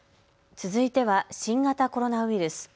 続いては新型コロナウイルス。